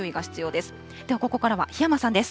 ではここからは檜山さんです。